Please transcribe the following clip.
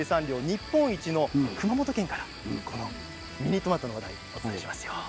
日本一の熊本県からミニトマトの話題をお伝えします。